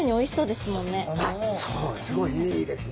すごいいいですね。